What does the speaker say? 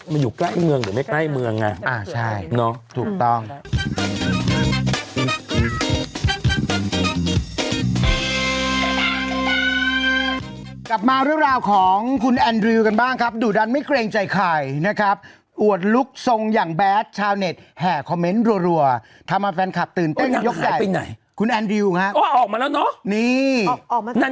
มันอยู่ใกล้เมืองหรือไม่ใกล้เมืองอะ